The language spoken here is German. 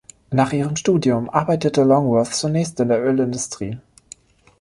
Nach ihrem Studium arbeitete Longworth zunächst in der Ölindustrie.